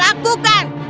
tidak apa yang kau lakukan